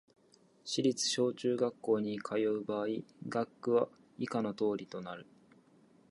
市立小・中学校に通う場合、学区は以下の通りとなる